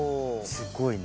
すごいね。